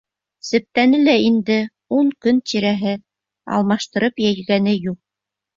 Септәне лә инде ун көн тирәһе алмаштырып йәйгәне юҡ.